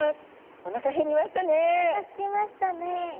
おなかすきましたね。